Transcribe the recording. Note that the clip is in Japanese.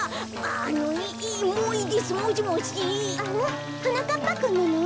あらはなかっぱくんなの？